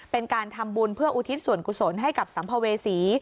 เป็นการทำบุญเพื่ออุทิศส่วนกุศลให้กับสัมภเวษี